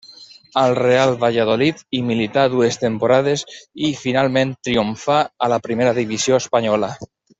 Al Real Valladolid hi milità dues temporades i finalment triomfà a la Primera divisió espanyola.